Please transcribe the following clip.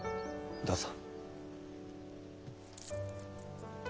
どうぞ。